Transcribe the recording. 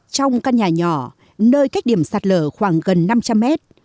trong căn nhà nhỏ nơi cách điểm sạt lở khoảng gần năm trăm linh mét